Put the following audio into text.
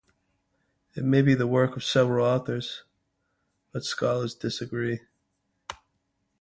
It may be the work of several authors, but scholars disagree.